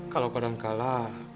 kalau kau dan kala